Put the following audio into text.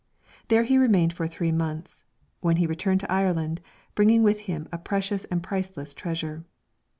There he remained for three months, when he returned to Ireland, bringing with him a precious and priceless treasure.